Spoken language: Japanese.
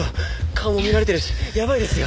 顔も見られてるしやばいですよ。